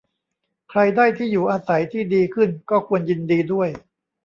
ใครได้ที่อยู่อาศัยที่ดีขึ้นก็ควรยินดีด้วย